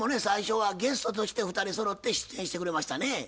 最初はゲストとして２人そろって出演してくれましたね。